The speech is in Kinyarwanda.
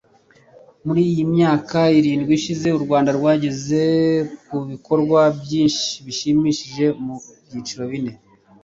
muri iyi myaka irindwi ishize, u rwanda rwageze ku bikorwa byinshi bishimishije mu byiciro bine